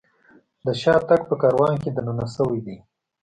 د شاتګ په کاروان کې دننه شوي دي.